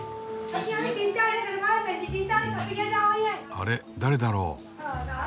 あれ誰だろう？